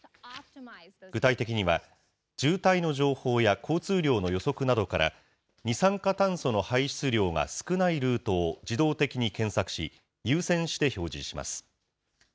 具体的には、渋滞の情報や交通量の予測などから二酸化炭素の排出量が少ないルートを自動的に検索し、優先して表示します。